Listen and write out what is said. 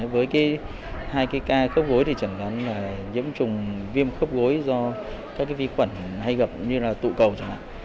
với hai cái ca khớp gối thì chẩn đoán là nhiễm trùng viêm khớp gối do các vi khuẩn hay gặp như là tụ cầu chẳng hạn